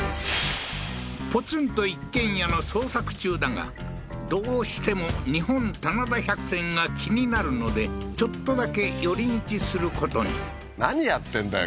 ポツンと一軒家の捜索中だがどうしても日本棚田百選が気になるのでちょっとだけ寄り道することに何やってんだよ